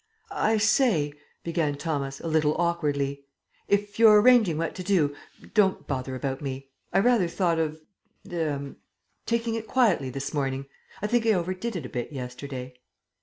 "I say," began Thomas, a little awkwardly, "if you're arranging what to do, don't bother about me. I rather thought of er taking it quietly this morning. I think I overdid it a bit yesterday."